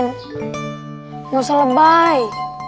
nggak usah lebay